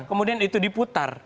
kemudian itu diputar